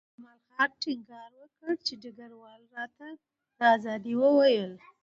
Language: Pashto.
جمال خان ټینګار وکړ چې ډګروال راته د ازادۍ وویل